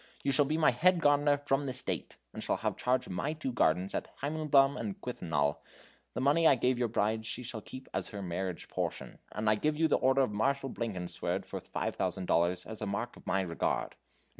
You shall be my head gardener from this date, and have charge of my two gardens at Heimleben and Quellenthal. The money I gave your bride she shall keep as her marriage portion, and I give you the order of Marshal Blankenswerd for five thousand dollars, as a mark of my regard.